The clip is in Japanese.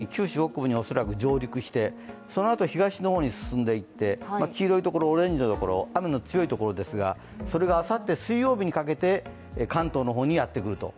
どんどん来て明日の朝９時ぐらいに九州北部に恐らく上陸してそのあと東の方に進んでいって、黄色いところ、オレンジのところは雨の強いところですが、それがあさって水曜日にかけて、関東の方にやってくると。